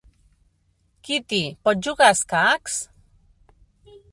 Kitty, pots jugar a escacs?